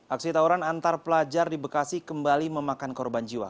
aksi tawuran antar pelajar di bekasi kembali memakan korban jiwa